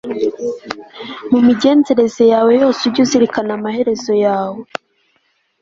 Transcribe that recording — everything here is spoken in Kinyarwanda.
mu migenzereze yawe yose ujye uzirikana amaherezo yawe